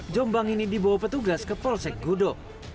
jombang ini dibawa petugas ke polsek gudo